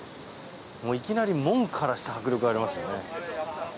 もういきなり門からして迫力がありますよね。